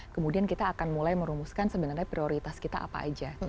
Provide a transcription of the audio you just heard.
kemudian kita akan mulai merumuskan sebenarnya prioritas kita apa aja